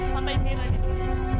sampai diri dia dulu